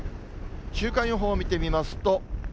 週間予報見てみますと。